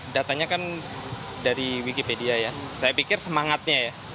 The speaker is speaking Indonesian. saya pikir semangatnya ya